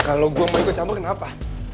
kalau gue mau ikut campur kenapa